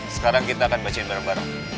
sekarang kita akan bacain bareng bareng